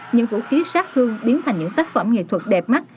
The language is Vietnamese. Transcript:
những vũ khí sát hương biến thành những tác phẩm nghệ thuật đẹp mắt